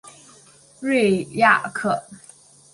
瑞亚克。